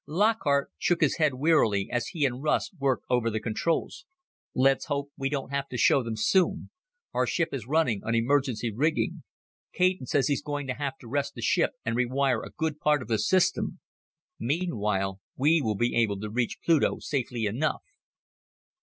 Lockhart shook his head wearily as he and Russ worked over the controls. "Let's hope we don't have to show them soon. Our ship is running on emergency rigging. Caton says he's going to have to rest the ship and rewire a good part of the system. Meanwhile, we will be able to reach Pluto safely enough."